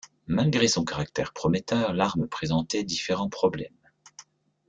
Malgré son caractère prometteur, l'arme présentait différents problèmes.